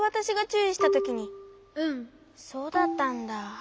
そうだったんだ。